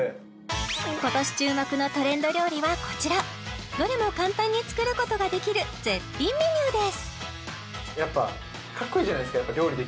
今年注目のトレンド料理はこちらどれも簡単に作ることができる絶品メニューです